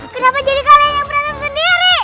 kenapa jadi kalian yang berantem sendiri